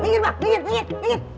minggir mak minggir minggir